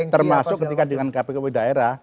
termasuk ketika dengan kpkw daerah